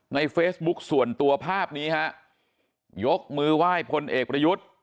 ในเฟซบุ๊คส่วนตัวภาพนี้ฮะยกมือไหว้พลเอกประยุทธ์